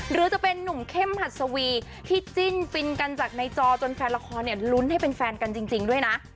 หรือจะเป็นนุ่มเข้มหัดสวีที่จิ้นฟินกันจากในจอจนแฟนละครเนี่ยลุ้นให้เป็นแฟนกันจริงด้วยนะ